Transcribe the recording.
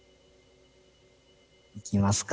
いきますか。